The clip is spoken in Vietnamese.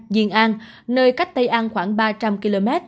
duyên an nơi cách tây an khoảng ba trăm linh km